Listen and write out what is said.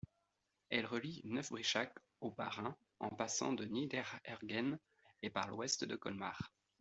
Elle relie Neuf-Brisach au Bas-Rhin, en passant par Niederhergheim et par l'ouest de Colmar.